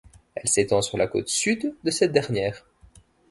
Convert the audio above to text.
Elle s'étend sur la côte sud de cette dernière.